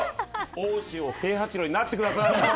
大塩平八郎になってください！